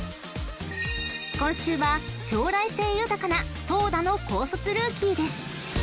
［今週は将来性豊かな投打の高卒ルーキーです］